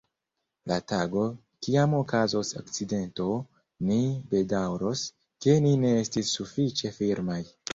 La tago, kiam okazos akcidento, ni bedaŭros, ke ni ne estis sufiĉe firmaj.